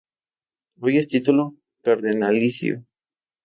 Hoy es título cardenalicio.